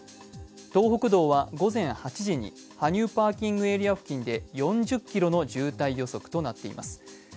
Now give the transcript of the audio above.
東北道は午前８時に羽生パーキングエリア付近で４０ｋｍの渋滞予測となっています。